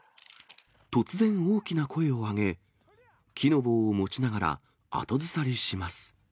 突然、大きな声を上げ、木の棒を持ちながら後ずさりします。